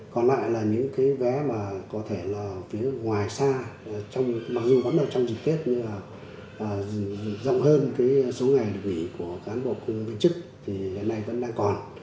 còn lại là những cái vé mà có thể là phía ngoài xa mặc dù vẫn ở trong dịp tết nhưng mà rộng hơn cái số ngày nghỉ của cán bộ khu viên chức thì hiện nay vẫn đang còn